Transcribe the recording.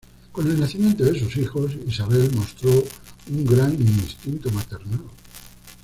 Con el nacimiento de sus hijos, Isabel mostró un gran instinto maternal.